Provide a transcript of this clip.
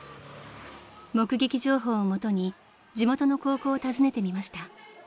［目撃情報をもとに地元の高校を訪ねてみました］